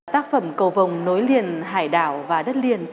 tác phẩm cầu nối liền hải đảo và đất liền